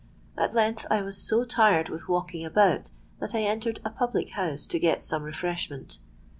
At length I was so tired with walking about, that I entered a public house to get some refreshment.